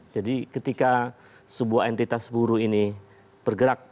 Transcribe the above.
jadi ketika sebuah entitas buruh ini bergerak